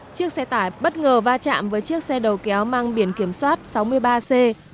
chiếc xe tải bất ngờ va chạm với chiếc xe đầu kéo mang biển kiểm soát sáu mươi ba c bốn nghìn sáu trăm hai mươi